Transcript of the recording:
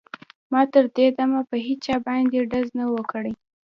ما تر دې دمه په هېچا باندې ډز نه و کړی